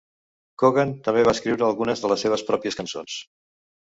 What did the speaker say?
Cogan també va escriure algunes de les seves pròpies cançons.